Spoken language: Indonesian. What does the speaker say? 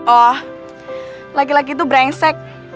oh laki laki itu brengsek